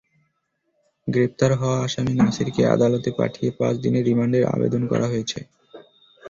গ্রেপ্তার হওয়া আসামি নাসিরকে আদালতে পাঠিয়ে পাঁচ দিনের রিমান্ডের আবেদন করা হয়েছে।